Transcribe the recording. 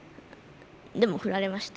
でもフラれました。